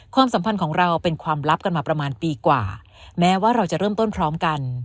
สัมพันธ์ของเราเป็นความลับกันมาประมาณปีกว่าแม้ว่าเราจะเริ่มต้นพร้อมกัน